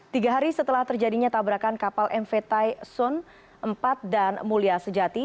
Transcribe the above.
tiga hari setelah terjadinya tabrakan kapal mv tai son empat dan mulia sejati